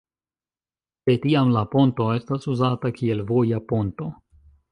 De tiam la ponto estas uzata kiel voja ponto.